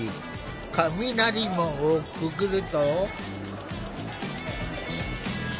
雷門をくぐると。